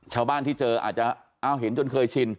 ชาวบ้านที่เจออาจจะเอาเห็นจนเคยชิน